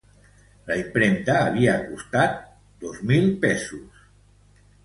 La impremta havia costat dos mil pesos.